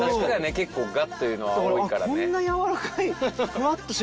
結構ガッていうの多いからね。